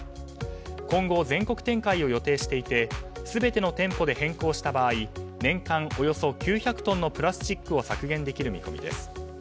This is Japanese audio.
今後、全国展開を予定していて全ての店舗で変更した場合年間およそ９００トンのプラスチックを削減できる見込みです。